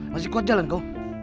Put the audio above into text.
masih kuat jalan kau